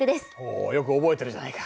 およく覚えてるじゃないか。